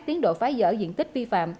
tiến đội phá dở diện tích vi phạm